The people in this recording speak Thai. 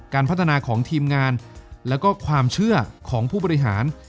พัฒนาของทีมงานแล้วก็ความเชื่อของผู้บริหาร